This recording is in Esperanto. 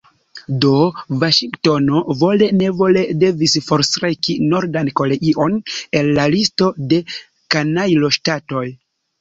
Do Vaŝingtono vole-nevole devis forstreki Nordan Koreion el la listo de kanajloŝtatoj.